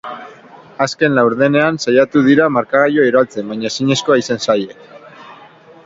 Azken laurdenean saiatu dira markagailua iraultzen baina ezinezkoa izan zaie.